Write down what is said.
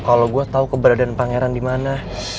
kalo gue tau keberadaan pangeran dimana